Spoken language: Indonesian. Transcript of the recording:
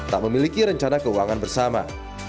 tak memiliki rencana keuangan bersama